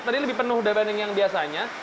tadi lebih penuh dibanding yang biasanya